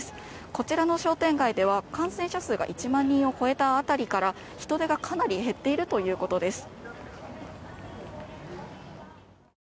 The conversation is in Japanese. こちらの商店街では感染者数が１万人を超えた辺りから人出がかなり減っているということです。